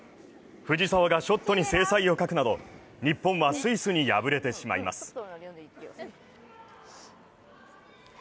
藤澤がショットに精彩を欠くなど日本はスイスに敗れてしまいます。